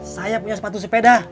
saya punya sepatu sepeda